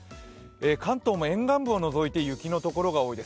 関東も沿岸部を除いて雪のところが多いです。